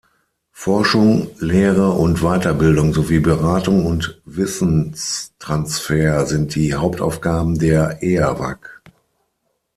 Forschung, Lehre und Weiterbildung sowie Beratung und Wissenstransfer sind die Hauptaufgaben der Eawag.